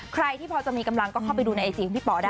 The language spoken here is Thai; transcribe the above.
ใครที่พอจะมีกำลังก็เข้าไปดูในไอจีของพี่ป๋อได้